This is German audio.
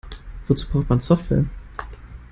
Wozu braucht man Software?